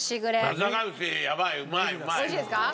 美味しいですか？